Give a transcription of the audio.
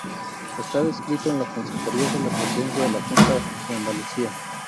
Está adscrito a la Consejería de la Presidencia de la Junta de Andalucía.